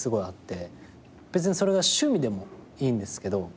別にそれが趣味でもいいんですけど。